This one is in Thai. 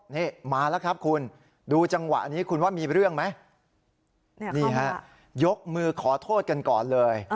นี่มาแล้วครับคุณดูจังหวะนี้คุณว่ามีเรื่องไหมนี่ฮะยกมือขอโทษกันก่อนเลย